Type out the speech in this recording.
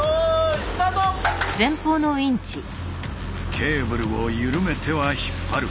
ケーブルを緩めては引っ張る。